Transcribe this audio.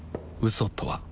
嘘とは